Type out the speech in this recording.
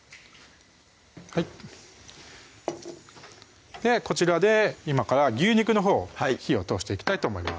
はいこちらで今から牛肉のほうを火を通していきたいと思います